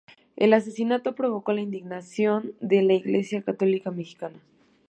El asesinato provocó la indignación de la iglesia católica mexicana.